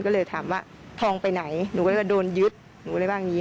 ก็เลยถามว่าทองไปไหนหนูก็เลยว่าโดนยึดหนูอะไรว่าอย่างนี้